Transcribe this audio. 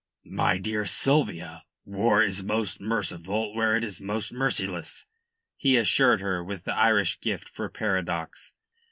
"My dear Sylvia, war is most merciful where it is most merciless," he assured her with the Irish gift for paradox.